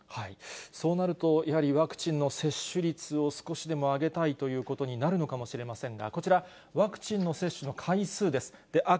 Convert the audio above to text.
そうなると、やはりワクチンの接種率を少しでも上げたいということになるのかもしれませんが、こちら、ワクチンの接種の回数です。